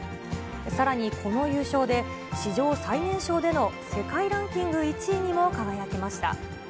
さらにこの優勝で、史上最年少での世界ランキング１位にも輝きました。